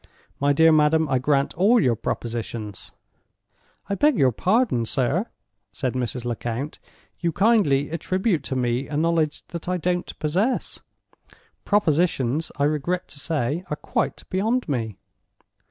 My dear madam, I grant all your propositions—" "I beg your pardon, sir," said Mrs. Lecount; "you kindly attribute to me a knowledge that I don't possess. Propositions, I regret to say, are quite beyond me."